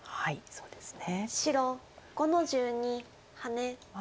そうですね。